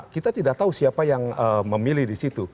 kita tidak tahu siapa yang memilih disitu